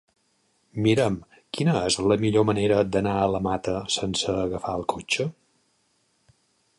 Mira'm quina és la millor manera d'anar a la Mata sense agafar el cotxe.